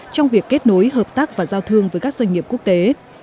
trong việc kết nối hợp tác và giao thương với các doanh nghiệp quốc tế